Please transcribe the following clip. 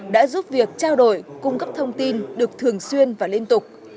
đã giúp việc trao đổi cung cấp thông tin được thường xuyên và liên tục